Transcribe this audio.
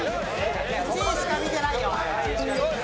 １位しか見てないよ。